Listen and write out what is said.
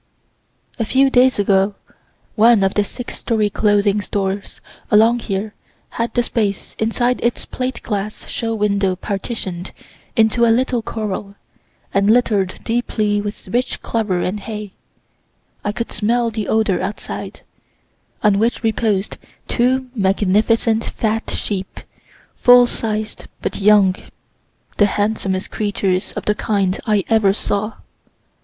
A few days ago one of the six story clothing stores along here had the space inside its plate glass show window partition'd into a little corral, and litter'd deeply with rich clover and hay, (I could smell the odor outside,) on which reposed two magnificent fat sheep, full sized but young the handsomest creatures of the kind I ever saw.